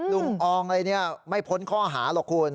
ลุงอองอะไรเนี่ยไม่พ้นข้อหาหรอกคุณ